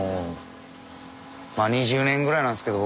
２０年ぐらいなんですけど。